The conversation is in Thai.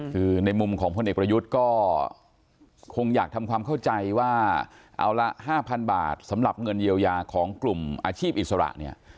คือในมุมของพลเอกประยุทธ์ก็คงอยากทำความเข้าใจว่าเอาละ๕๐๐๐บาทสำหรับเงินเยียวยาของกลุ่มอาชีพอิสระเนี่ย